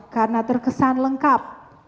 karena terkesan lengkap